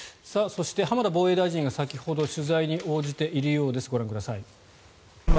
そして、浜田防衛大臣が先ほど取材に応じているようですご覧ください。